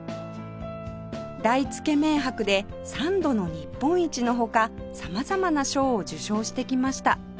大つけ麺博で３度の日本一の他様々な賞を受賞してきました